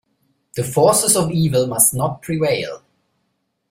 The forces of evil must not prevail.